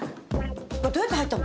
これどうやって入ったの？